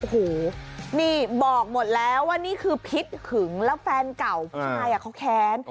หูนี่บอกหมดแล้วว่านี้คือภิษผึงแล้วแฟนเก่าใครอ่ะเขาแค้น